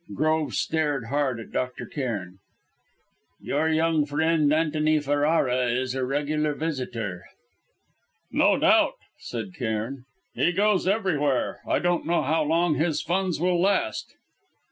Groves stared hard at Dr. Cairn. "Your young friend, Antony Ferrara, is a regular visitor." "No doubt," said Cairn; "he goes everywhere. I don't know how long his funds will last."